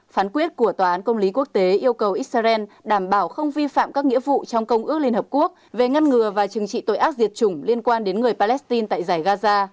phán quyết của tòa án công lý quốc tế yêu cầu israel đảm bảo không vi phạm các nghĩa vụ trong công ước liên hợp quốc về ngăn ngừa và chừng trị tội ác diệt chủng liên quan đến người palestine tại giải gaza